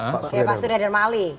pak sudirah dan mali